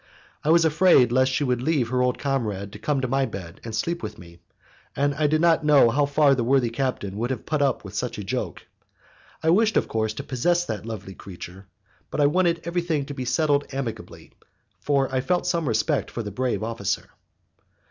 I was afraid lest she should leave her old comrade to come to my bed and sleep with me, and I did not know how far the worthy captain would have put up with such a joke. I wished, of course, to possess that lovely creature, but I wanted everything to be settled amicably, for I felt some respect for the brave officer.